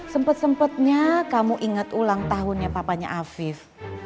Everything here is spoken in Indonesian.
sempet sempetnya kamu ingat ulang tahunnya papanya afif